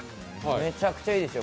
めちゃくちゃいいでしょ。